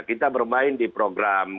kita bermain di program